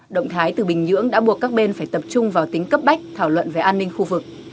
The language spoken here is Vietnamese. động thái từ bình nhưỡng đã buộc các bên phải tập trung vào tính cấp bách thảo luận về an ninh khu vực